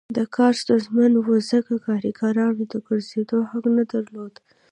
دا کار ستونزمن و ځکه کارګرانو د ګرځېدو حق نه درلود